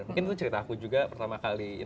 mungkin itu cerita aku juga pertama kali